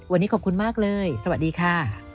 วันนี้ขอบคุณมากเลยสวัสดีค่ะ